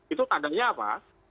itu tandanya apa